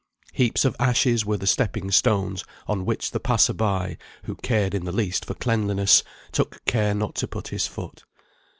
Heaps of ashes were the stepping stones, on which the passer by, who cared in the least for cleanliness, took care not to put his foot.